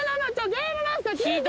ゲームマスター聞いて。